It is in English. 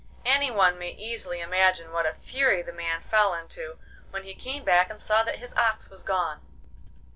Any one may easily imagine what a fury the man fell into when he came back and saw that his ox was gone.